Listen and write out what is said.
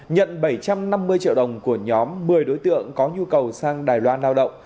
nhận bảy trăm năm mươi triệu đồng của nhóm một mươi đối tượng có nhu cầu sang đài loan lao động